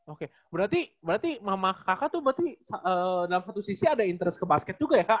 oke berarti mama kakak tuh berarti dalam satu sisi ada interest ke basket juga ya kak